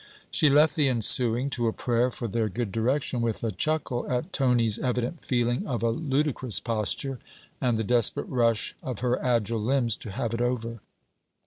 She left the ensuing to a prayer for their good direction, with a chuckle at Tony's evident feeling of a ludicrous posture, and the desperate rush of her agile limbs to have it over.